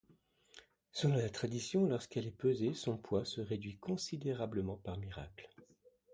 Selon la tradition, lorsqu'elle est pesée, son poids se réduit considérablement par miracle.